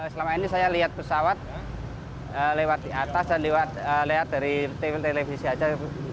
selama ini saya lihat pesawat lewat di atas dan lihat dari tv tv saja